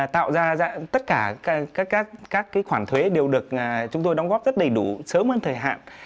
tạo ra tất cả các khoản thuế đều được chúng tôi đóng góp rất đầy đủ sớm hơn thời hạn